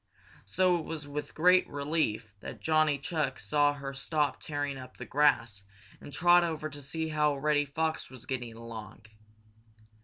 So it was with great relief that Johnny Chuck saw her stop tearing up the grass and trot over to see how Reddy Fox was getting along.